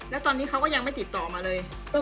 แล้วตอนนี้เขาก็ยังไม่ติดต่อมาเลย